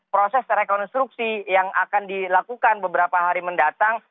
proses rekonstruksi yang akan dilakukan beberapa hari mendatang